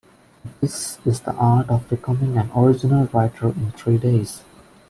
That is the art of becoming an original writer in three days.